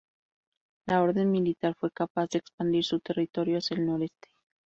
La orden militar fue capaz de expandir su territorio hacia el noroeste.